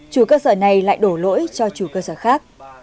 chủ cơ sở này lại đổ lỗi cho chủ cơ sở khác